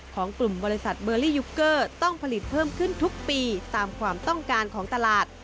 ของกลุ่มบริษัทเบอร์รี่ยุคเกอร์ต้องผลิตเพิ่มขึ้นทุกปีตามความต้องการของตลาด